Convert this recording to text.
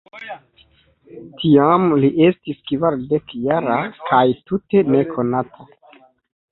Tiam li estis kvardek-jara kaj tute nekonata.